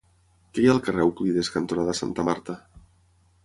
Què hi ha al carrer Euclides cantonada Santa Marta?